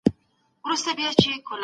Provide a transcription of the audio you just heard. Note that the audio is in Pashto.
حرص د غمونو سبب دی.